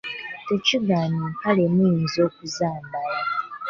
Tekigaana empale muyinza okuzambala.